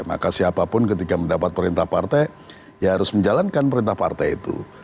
maka siapapun ketika mendapat perintah partai ya harus menjalankan perintah partai itu